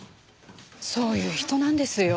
そういう人なんですよ。